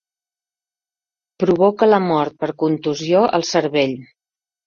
Provoca la mort per contusió al cervell.